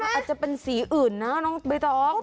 อาจจะเป็นสีอื่นนะน้องบ๊ายต๊อก